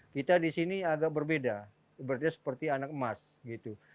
kita di sini agak berbeda seperti anak emas gitu